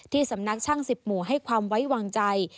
สำนักช่าง๑๐หมู่ให้ความไว้วางใจ